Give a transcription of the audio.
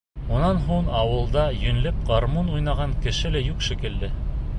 Унан һуң ауылда йүнләп гармун уйнаған кеше лә юҡ шикелле.